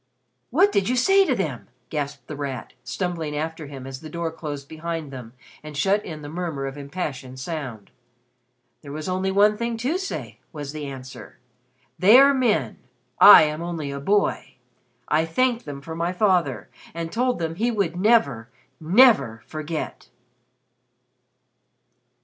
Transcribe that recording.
"What did you say to them?" gasped The Rat, stumbling after him as the door closed behind them and shut in the murmur of impassioned sound. "There was only one thing to say," was the answer. "They are men I am only a boy. I thanked them for my father, and told them he would never never forget."